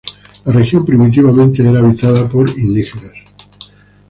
La región primitivamente era habitada por indígenas.